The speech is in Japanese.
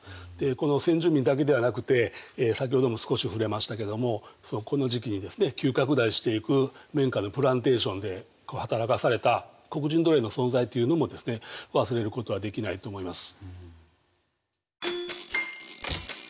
この先住民だけではなくて先ほども少し触れましたけどもこの時期にですね急拡大していく綿花のプランテーションで働かされた黒人奴隷の存在というのもですね忘れることはできないと思います。